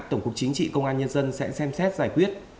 tổng cục chính trị công an nhân dân sẽ xem xét giải quyết